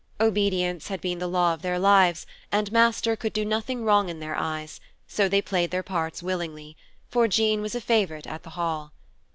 Obedience had been the law of their lives, and Master could do nothing wrong in their eyes, so they played their parts willingly, for Jean was a favorite at the Hall.